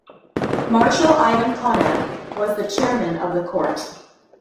Marshal Ivan Konev was the chairman of the court.